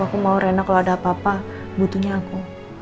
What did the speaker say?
aku mau rena kalau ada apa apa butuhnya aku